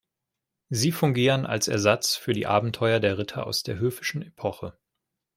Sie fungieren als Ersatz für die Abenteuer der Ritter aus der höfischen Epoche.